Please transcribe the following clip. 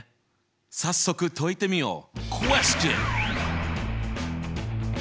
早速解いてみよう。